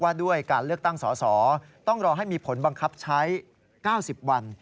ด้วยการเลือกตั้งสอสอต้องรอให้มีผลบังคับใช้๙๐วัน